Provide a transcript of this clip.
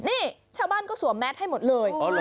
นี่ชาวบ้านก็สวมแมสให้หมดเลย